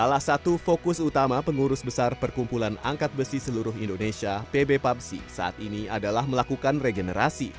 salah satu fokus utama pengurus besar perkumpulan angkat besi seluruh indonesia pb papsi saat ini adalah melakukan regenerasi